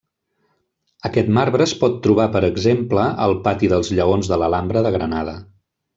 Aquest marbre es pot trobar, per exemple, al Pati dels Lleons de l'Alhambra de Granada.